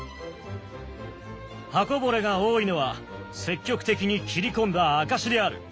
刃こぼれが多いのは積極的に斬り込んだ証しである。